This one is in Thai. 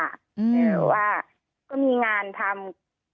แต่ว่าก็มีงานทำ